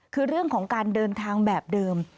คือเรื่องของการเดินทางแบบเดิม